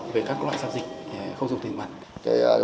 về các loại giao dịch không dùng tiền mặt